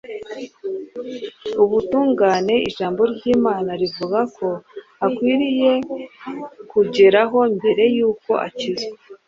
Ubutungane ijambo ry’Imana rivuga ko akwiriye kugeraho mbere y’uko akizwa,